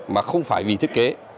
mà không phải vì thiết kế